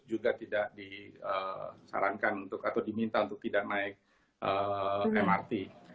juga tidak disarankan atau diminta untuk tidak naik mrt